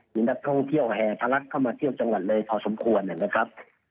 มีนักท่องเที่ยวแห่ทะลักเข้ามาเที่ยวจังหวัดเลยพอสมควรนะครับ